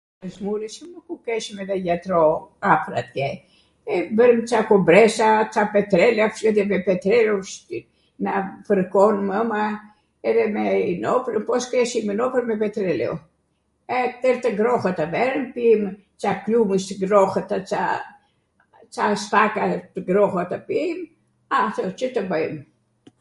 kur smureshim, nukw keshwm edhe jatro afwr atje, e bwrwm ca kombresa, ca petrelea, me petreleo, na fwrkon mwma edhe me inopnem, po s'keshim inopnem, me petreleo, e twr tw ngrohwta verwm, pijm ca klumwsht tw ngrohwtw, ca asfaka tw ngrohwta pijm, atw, Cw tw bwjm?